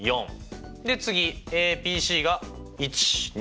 で次ＰＣが１２。